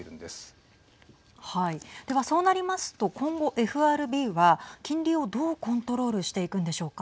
ではそうなりますと今後、ＦＲＢは金利をどうコントロールしていくんでしょうか。